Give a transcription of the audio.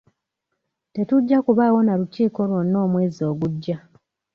Tetujja kubaawo na lukiiko lwonna omwezi ogujja.